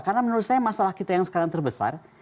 karena menurut saya masalah kita yang sekarang terbesar